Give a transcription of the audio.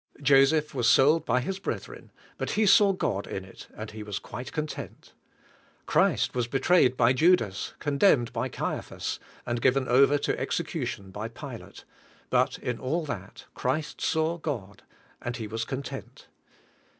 Joseph was sold by his brethren, but he saw God in it, and he was quite content. Christ was betrayed by Judas, condemned by Caiaphas, and given over to execution by Pi late; but in all that, Christ saw God, and He was content.